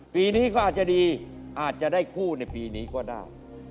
ปีนี้ก็อาจจะดีอาจจะได้คู่ในปีนี้ก็ได้